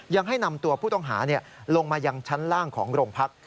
ยังให้นำตัวผู้ต้องหาลงมายังชั้นล่างของโรงพัก